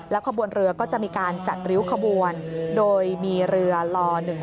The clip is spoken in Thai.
ขบวนเรือก็จะมีการจัดริ้วขบวนโดยมีเรือล๑๕